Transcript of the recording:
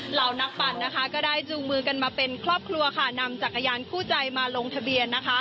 เหล่านักปั่นนะคะก็ได้จูงมือกันมาเป็นครอบครัวค่ะนำจักรยานคู่ใจมาลงทะเบียนนะคะ